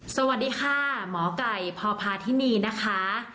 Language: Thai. สวัสดีค่ะหมอไก่พพาธินีนะคะ